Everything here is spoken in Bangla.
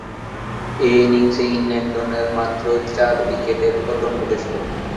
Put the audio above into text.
ঐ ইনিংসে ইংল্যান্ড দলের মাত্র চার উইকেটের পতন ঘটেছিল।